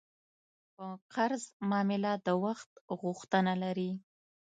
په قرض معامله د وخت غوښتنه لري.